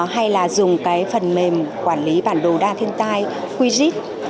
hay là dùng cái phần mềm quản lý bản đồ đa thiên tai quisit